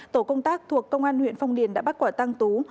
tổ công tác thuộc công an huyện phong điền đã bắt quả tăng tú